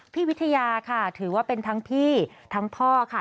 พี่วิทยาค่ะถือว่าเป็นทั้งพี่ทั้งพ่อค่ะ